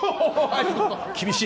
厳しい！